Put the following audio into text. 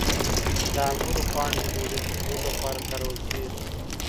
د انګورو پاڼې د ډوډۍ پخولو لپاره کارول کیږي.